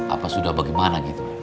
apa sudah bagaimana gitu